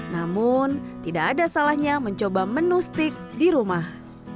namun tidak ada salahnya mencoba menu steak di rumah